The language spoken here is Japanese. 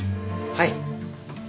はい。